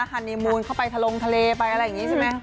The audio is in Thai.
ฮานีมูลเข้าไปทะลงทะเลไปอะไรอย่างนี้ใช่ไหม